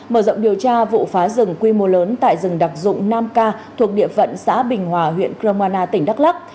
mở rộng điều tra vụ phá rừng quy mô lớn tại rừng đặc dụng nam ca thuộc địa phận xã bình hòa huyện cromana tỉnh đắk lắc